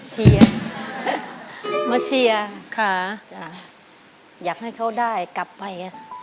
เชียร์มาเชียร์อยากให้เขาได้กลับไป